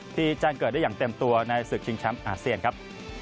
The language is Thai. แจ้งเกิดได้อย่างเต็มตัวในศึกชิงแชมป์อาเซียนครับ